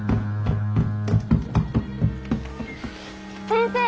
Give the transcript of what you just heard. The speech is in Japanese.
先生！